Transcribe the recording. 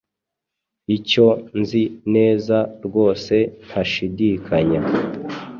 Icyo nzi neza rwose ntashidikanya,